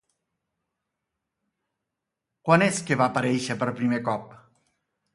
Quan és que va aparèixer per primer cop?